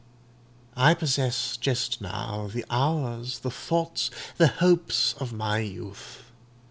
I possess just now the hours, the thoughts, the hopes of my youth.